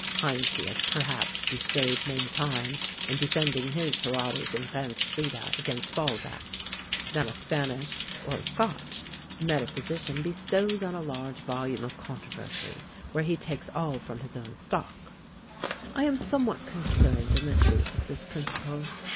Heinsius perhaps bestowed more time in defending his Herodes infanticida against Balzac, than a Spanish (or a Scotch) metaphysician bestows on a large volume of controversy, where he takes all from his own stock." I am somewhat concerned in the truth of this principle.